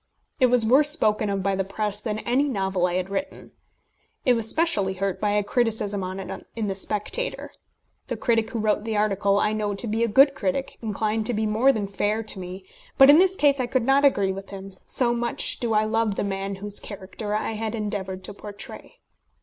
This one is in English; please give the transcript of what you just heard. It was worse spoken of by the press than any novel I had written. I was specially hurt by a criticism on it in the Spectator. The critic who wrote the article I know to be a good critic, inclined to be more than fair to me; but in this case I could not agree with him, so much do I love the man whose character I had endeavoured to portray.